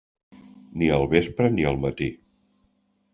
Ni al vespre ni al matí.